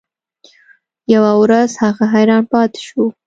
یوه ورځ هغه حیران پاتې شو.